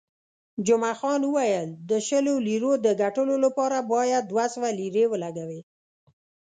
جمعه خان وویل، د شلو لیرو د ګټلو لپاره باید دوه سوه لیرې ولګوې.